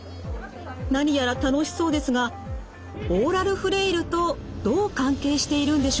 何やら楽しそうですがオーラルフレイルとどう関係しているんでしょう？